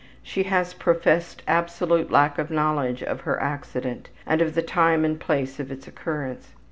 She has professed absolute lack of knowledge of her accident, and of the time and place of its occurrence.